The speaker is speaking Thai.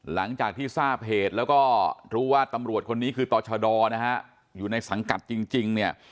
หลังจากที่ทราบเหตุแล้วก็รู้ว่าตำรวจคนนี้คือต่อชดนะฮะอยู่ในสังกัดจริงเนี่ย